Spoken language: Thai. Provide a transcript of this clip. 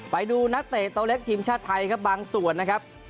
ไปดูนักเตะโตเล็กทีมชาติไทยครับบางส่วนนะครับ